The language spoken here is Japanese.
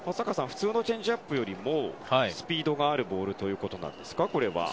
普通のチェンジアップよりもスピードがあるボールということですか。